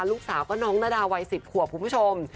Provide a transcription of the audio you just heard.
ลูกสาวก็น้องนาดาวัย๑๐ขวบคุณผู้ชม